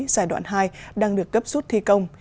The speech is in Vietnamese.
giai đoạn hai đang được cấp rút thi công